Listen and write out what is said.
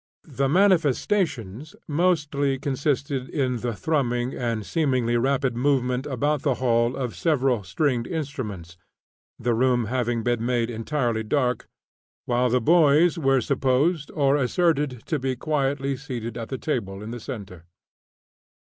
The "manifestations" mostly consisted in the thrumming and seemingly rapid movement about the hall of several stringed instruments, the room having been made entirely dark, while the boys were supposed or asserted to be quietly seated at the table in the centre.